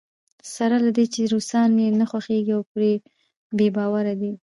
سره له دې چې روسان یې نه خوښېږي او پرې بې باوره دی.